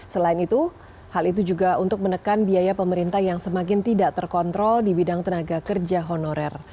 selain itu hal itu juga untuk menekan biaya pemerintah yang semakin tidak terkontrol di bidang tenaga kerja honorer